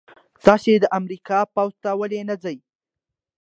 تاسې د امریکا پوځ ته ولې نه ځئ؟